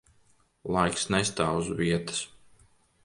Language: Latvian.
Laiks nestāv uz vietas.